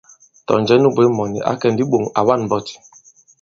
Tɔ̀ njɛ nu bwě mɔ̀ni, ǎ kɛ̀ ndi i iɓōŋ, à wa᷇n mbɔti.